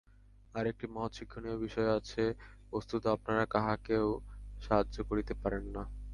আর একটি মহৎ শিক্ষণীয় বিষয় আছে, বস্তুত আপনারা কাহাকেও সাহায্য করিতে পারেন না।